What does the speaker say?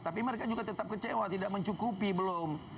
tapi mereka juga tetap kecewa tidak mencukupi belum